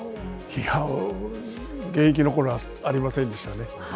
いやあ、現役のころはありませんでしたね。